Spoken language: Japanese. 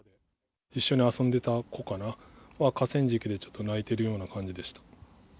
一緒に遊んでた子かな、河川敷でちょっと泣いてるような感じでした。